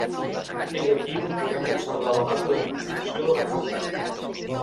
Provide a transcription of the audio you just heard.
És aquí on podem observar la data de construcció de la casa.